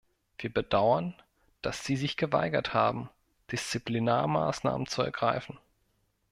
Wir bedauern, dass Sie sich geweigert haben, Disziplinarmaßnahmen zu ergreifen.